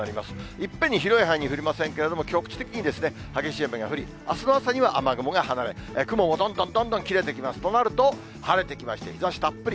いっぺんに広い範囲に降りませんけれども、局地的に激しい雨が降り、あすの朝には雨雲が離れ、雲もどんどんどんどん切れてきますとなると、晴れてきまして、日ざしたっぷり。